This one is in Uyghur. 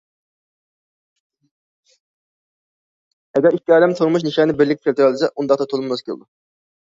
ئەگەر ئىككى ئادەم تۇرمۇش نىشانىنى بىرلىككە كەلتۈرەلىسە، ئۇنداقتا تولىمۇ ماس كېلىدۇ.